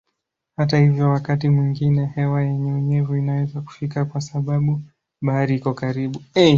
Hata hivyo wakati mwingine hewa yenye unyevu inaweza kufika kwa sababu bahari iko karibu.